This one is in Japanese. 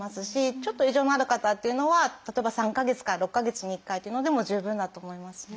ちょっと異常のある方っていうのは例えば３か月から６か月に１回っていうのでも十分だと思いますね。